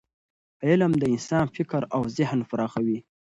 علم د انسان فکر او ذهن پراخوي.